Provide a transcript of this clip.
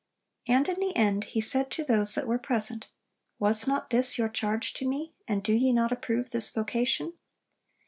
And in the end, he said to those that were present, "Was not this your charge to me? And do ye not approve this vocation?"